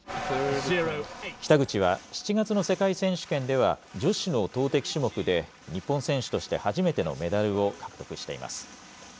北口は７月の世界選手権では、女子の投てき種目で日本選手として初めてのメダルを獲得しています。